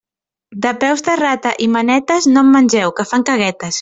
De peus de rata i manetes, no en mengeu, que fan caguetes.